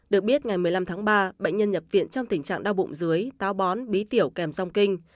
được biết ngày một mươi năm tháng ba bệnh nhân nhập viện trong tình trạng đau bụng dưới táo bón bí tiểu kèm song kinh